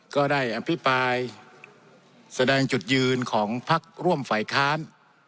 ก็ได้อภิปรายแสดงจุดยืนของพักร่วมฝ่ายค้าน